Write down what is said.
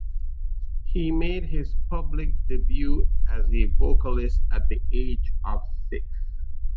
He made his public debut as a vocalist at the age of six.